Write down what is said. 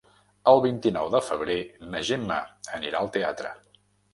El vint-i-nou de febrer na Gemma anirà al teatre.